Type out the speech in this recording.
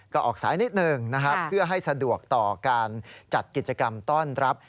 ก็ออกสายนิดหนึ่งนะครับเพื่อให้สะดวกต่อการจัดกิจกรรมต้อนรับ